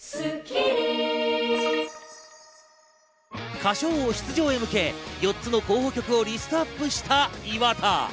『歌唱王』出場へ向け４つの候補曲をリストアップした岩田。